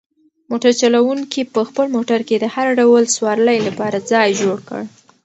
موټر چلونکي په خپل موټر کې د هر ډول سوارلۍ لپاره ځای جوړ کړ.